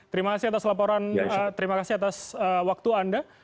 terima kasih atas laporan terima kasih atas waktu anda